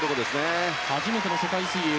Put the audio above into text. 初めての世界水泳。